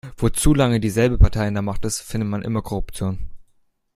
Wo zu lange dieselbe Partei an der Macht ist, findet man immer Korruption.